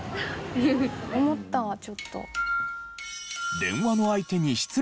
思ったちょっと。